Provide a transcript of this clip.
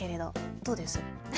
どうです？